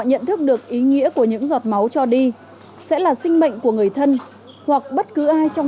nhận thức được ý nghĩa của những giọt máu cho đi sẽ là sinh mệnh của người thân hoặc bất cứ ai trong